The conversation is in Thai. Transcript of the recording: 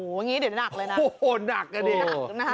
โอ้วเงี้ยดีนักเลยนะ